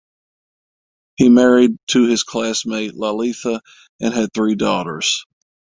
He married to his classmate "Lalitha" and had three daughters.